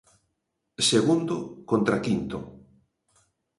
Segundo contra quinto.